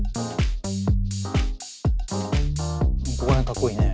ここら辺かっこいいね。